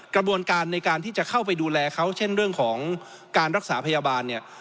กระบวนการในการที่จะเข้าไปดูแลเขาเช่นเรื่องของการรักษาพยาบาลเนี่ย